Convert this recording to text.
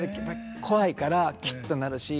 怖いからきゅっとなるし。